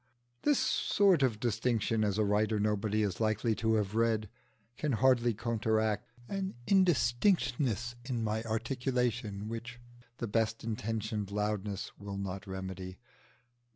This sort of distinction, as a writer nobody is likely to have read, can hardly counteract an indistinctness in my articulation, which the best intentioned loudness will not remedy.